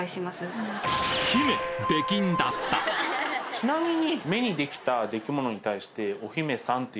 ちなみに。